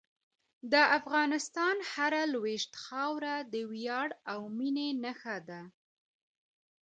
د افغانستان هره لویشت خاوره د ویاړ او مینې نښه ده.